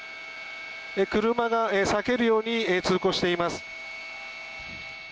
車が避けるように通行しています。